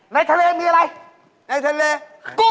ไม่มีหรอก